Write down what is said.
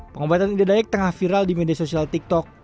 pengobatan ida dayak tengah viral di media sosial tiktok